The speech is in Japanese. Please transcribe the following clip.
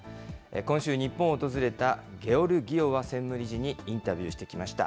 今週、日本を訪れたゲオルギエワ専務理事に、インタビューしてきました。